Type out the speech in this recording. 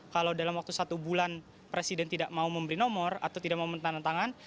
kalau dalam waktu satu bulan presiden tidak mau memberi nomor atau tidak mau menantang tangan